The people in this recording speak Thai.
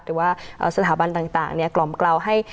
หรือว่าสถาบันต่างกล่อมกล่าวให้